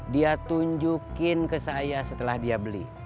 dia tunjukin ke saya setelah dia beli